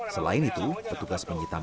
selain itu petugas penyitaman